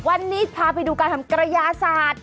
วันนี้พาไปดูการทำกระยาศาสตร์